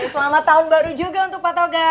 selamat tahun baru juga untuk pak toga